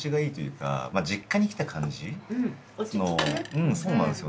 うんそうなんですよ